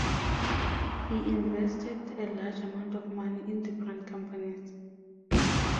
He invested a large amount of money in different companies.